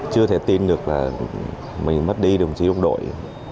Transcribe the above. chưa thể tin được là mình mất đi đồng chí đồng đội